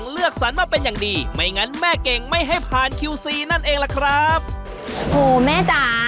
เลือกค่ะเคี่ยวงูของเชียงราย